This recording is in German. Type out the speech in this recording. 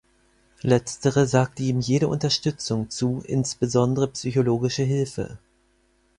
Letztere sagte ihm jede Unterstützung zu, insbesondere psychologische Hilfe.